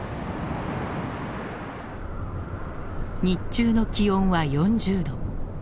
日中の気温は４０度。